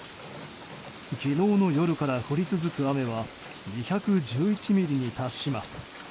昨日夜から降り続く雨は２１１ミリに達します。